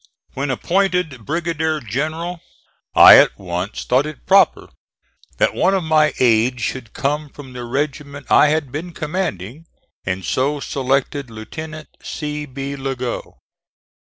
When appointed brigadier general I at once thought it proper that one of my aides should come from the regiment I had been commanding, and so selected Lieutenant C. B. Lagow.